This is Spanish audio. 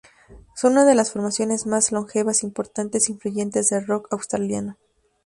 Son una de las formaciones más longevas, importantes e influyentes del rock australiano.